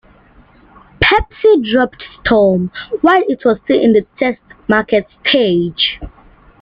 Pepsi dropped Storm while it was still in the test market stage.